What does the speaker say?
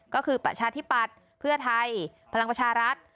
ก็คือประชาธิปัตย์เพื่อไทยพลังประชารัฐ